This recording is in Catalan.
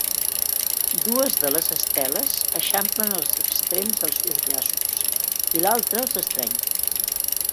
Dues de les esteles eixamplen els extrems dels seus braços i l'altra els estreny.